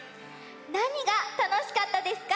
なにがたのしかったですか？